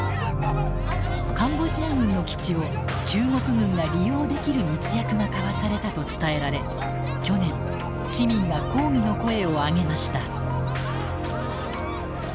カンボジア軍の基地を中国軍が利用できる密約が交わされたと伝えられ去年市民が抗議の声を上げました。